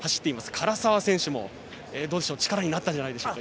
唐澤選手も力になったんじゃないんでしょうか。